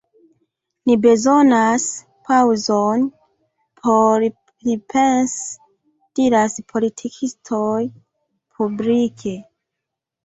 Ni bezonas paŭzon por pripensi, — diras politikistoj publike.